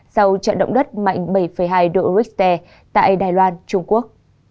sau trận động đất mạnh bảy hai độ richter tại đài loan trung quốc